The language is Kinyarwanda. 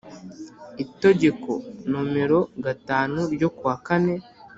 Itegeko nomero gatanu ryo kuwa kane